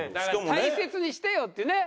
大切にしてよっていうね。